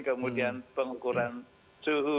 kemudian pengukuran suhu